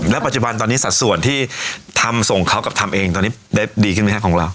แล้วปัจจุบันตอนนี้สัดส่วนที่ทำส่งเขากับทำเองตอนนี้ได้ดีขึ้นไหมครับของเรา